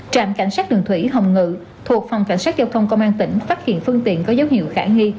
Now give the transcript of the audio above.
trạm cảnh sát đường thủy hồng ngự thuộc phòng cảnh sát giao thông công an tỉnh phát hiện phương tiện có dấu hiệu khả nghi